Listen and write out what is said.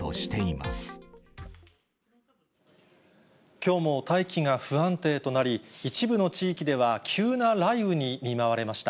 きょうも大気が不安定となり、一部の地域では急な雷雨に見舞われました。